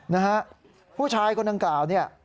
นะฮะผู้ชายคนดังกล่าวเนี่ย